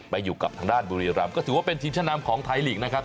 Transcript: ไปอยู่กับทางด้านบุรีรำก็ถือว่าเป็นทีมชะนำของไทยลีกนะครับ